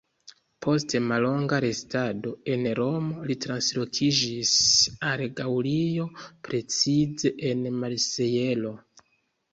Post mallonga restado en Romo, li translokiĝis al Gaŭlio, precize en Marsejlo.